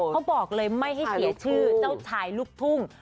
เขาบอกเลยไม่ให้เสียชื่อเจ้าชายลูกทุ่ง